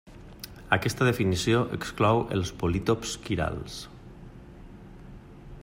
Aquesta definició exclou els polítops quirals.